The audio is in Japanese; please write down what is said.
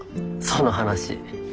その話。